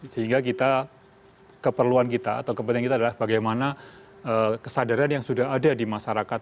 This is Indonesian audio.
sehingga kita keperluan kita atau kepentingan kita adalah bagaimana kesadaran yang sudah ada di masyarakat